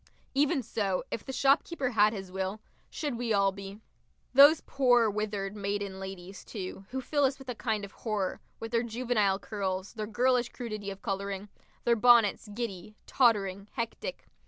Even so, if the shopkeeper had his will, should we all be. Those poor withered maiden ladies, too, who fill us with a kind of horror, with their juvenile curls, their girlish crudity of colouring, their bonnets, giddy, tottering, hectic.